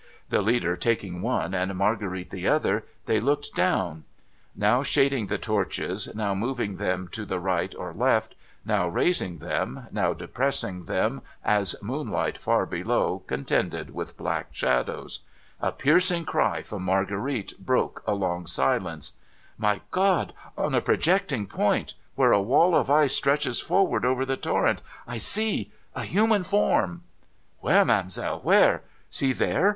The leader taking one, and Marguerite the other, they looked dow n ; now shading the torches, now moving them to the right or left, now raising them, now depressing them, as moon light far below contended with black shadows. A piercing cry from Marguerite broke a long silence. A BRAVE WOMAN 555 * My God ! On a projecting point, where a wall of ice stretches forward over the torrent, I see a human form !'' Where, ma'amselle, where ?'* See, there